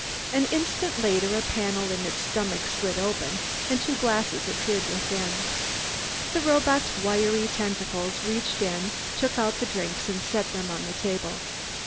An instant later a panel in its stomach slid open and two glasses appeared within. The robot's wiry tentacles reached in, took out the drinks, and set them on the table.